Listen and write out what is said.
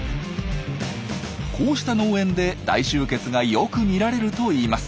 こうした農園で大集結がよく見られるといいます。